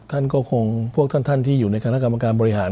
ท่านก็คงพวกท่านที่อยู่ในคณะกรรมการบริหาร